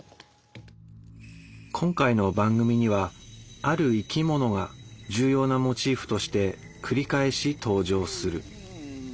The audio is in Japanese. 今回の番組にはある生き物が重要なモチーフとして繰り返し登場する。